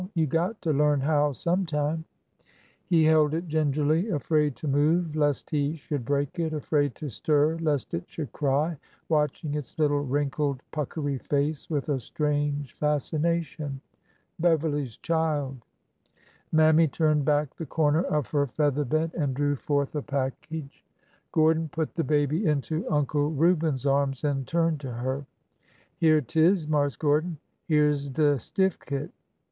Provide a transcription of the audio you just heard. You got to learn how sometime !" He held it gingerly, afraid to move lest he should break it, afraid to stir lest it should cry, watching its little wrinkled, puckery face with a strange fascination. Beverly's child! Mammy turned back the corner of her feather bed and drew forth a package. GORDON TAKES THE HELM 339 Gordon put the baby into Uncle Reuben's arms and turned to her. Here 't is, Marse Gordon— here 's de stiffkit."